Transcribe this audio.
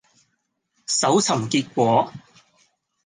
搜尋結果